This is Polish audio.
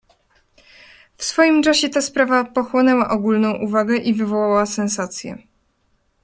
"W swoim czasie ta sprawa pochłonęła ogólną uwagę i wywołała sensację."